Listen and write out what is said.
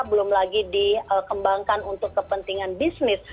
belum lagi dikembangkan untuk kepentingan bisnis